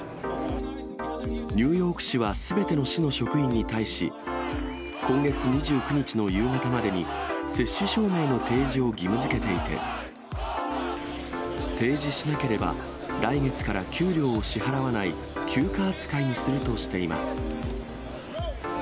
ニューヨーク市はすべての市の職員に対し、今月２９日の夕方までに、接種証明の提示を義務づけていて、提示しなければ、来月から給料を支払わない休暇扱いにするとしています。